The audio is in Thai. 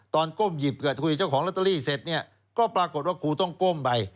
ก้มหยิบกับคุยเจ้าของลอตเตอรี่เสร็จเนี่ยก็ปรากฏว่าครูต้องก้มไป